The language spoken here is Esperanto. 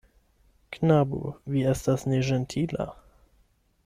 Knabo, vi estas neĝentila.